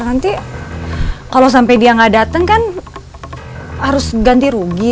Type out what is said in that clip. nanti kalau sampai dia gak datang kan harus ganti rugi